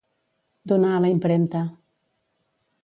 Donar a la impremta.